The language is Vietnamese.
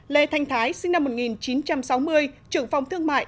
bốn lê thành thái sinh năm một nghìn chín trăm sáu mươi trưởng phòng thương mại